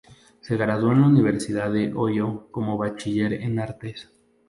Se graduó en la Universidad de Ohio como Bachiller en Artes.